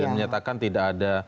dan menyatakan tidak ada